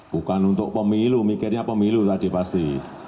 bukan untuk pemilu mikirnya pemilu tadi pasti